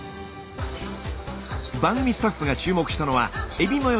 番組スタッフが注目したのはえびまよ